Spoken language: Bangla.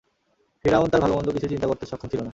ফিরআউন তার ভাল-মন্দ কিছুই চিন্তা করতে সক্ষম ছিল না।